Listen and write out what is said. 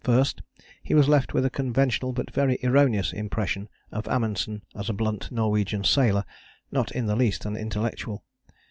First, he was left with a conventional but very erroneous impression of Amundsen as a blunt Norwegian sailor, not in the least an intellectual.